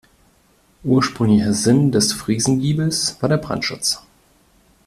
Ursprünglicher Sinn des Friesengiebels war der Brandschutz.